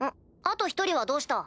あと１人はどうした？